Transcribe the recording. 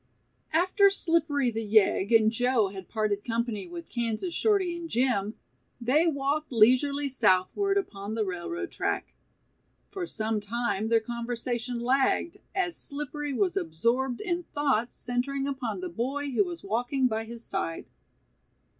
After Slippery, the Yegg, and Joe had parted company with Kansas Shorty and Jim, they walked leisurely southward upon the railroad track. For some time their conversation lagged, as Slippery was absorbed in thoughts centering upon the boy who was walking by his side.